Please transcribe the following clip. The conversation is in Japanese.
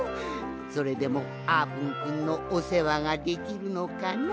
それでもあーぷんくんのおせわができるのかな？